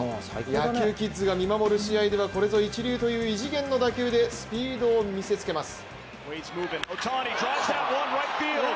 野球キッズが見守る試合ではこれぞ一流という異次元の投球でスピードを見せつけます。